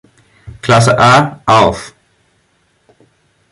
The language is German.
Klasse A, auf.